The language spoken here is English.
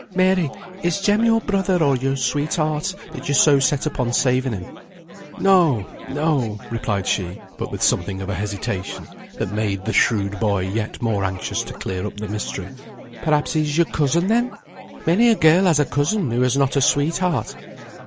"Mary, is Jem your brother, or your sweetheart, that you're so set upon saving him?" "No no," replied she, but with something of hesitation, that made the shrewd boy yet more anxious to clear up the mystery. "Perhaps he's your cousin, then? Many a girl has a cousin who has not a sweetheart."